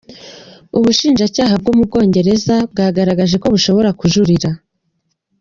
Ubushinjacyaha bwo mu Bwongereza bwagaragaje ko bushobora kujurira.